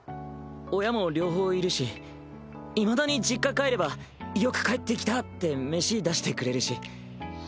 親も両方いるしいまだに実家帰れば「よく帰って来た」って飯出してくれるし。